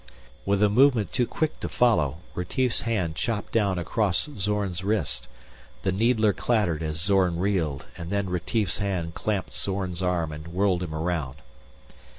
With a movement too quick to follow, Retief's hand chopped down across Zorn's wrist. The needler clattered as Zorn reeled, and then Retief's hand clamped Zorn's arm and whirled him around.